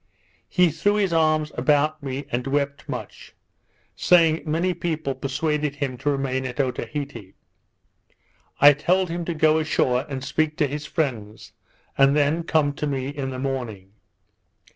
He threw his arms about me, and wept much, saying many people persuaded him to remain at Otaheite. I told him to go ashore and speak to his friends, and then come to me in the morning.